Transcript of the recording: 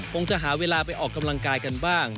คงจะหาเวลาไปออกกำลังกายกันบ้าง